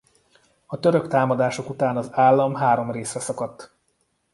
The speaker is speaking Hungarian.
A török támadások után az állam három részre szakadt.